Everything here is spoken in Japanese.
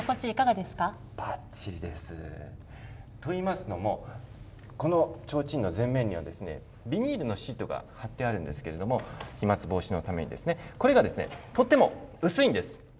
ばっちりです。といいますのも、このちょうちんの前面にはビニールのシートが張ってあるんですけれども、飛まつ防止のためにですね、これがとっても薄いんです。